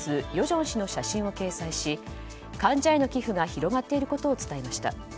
正氏の写真を掲載し患者への寄付が広がっていることを伝えました。